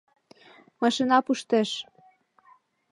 Машина пуштеш!